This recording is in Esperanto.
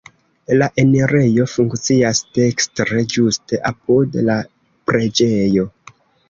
La enirejo funkcias dekstre, ĝuste apud la preĝejo.